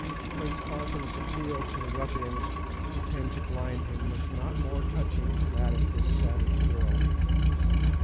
Prince Arthur's appeal to the ruffians who came to blind him was not more touching than that of this savage girl.